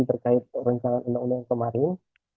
terkait rencana undang undang kemarin